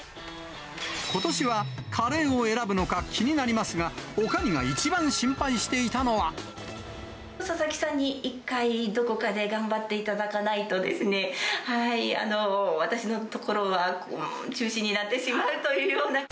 ことしはカレーを選ぶのか気になりますが、佐々木さんに１回、どこかで頑張っていただかないとですね、私のところは中止になってしまうというような。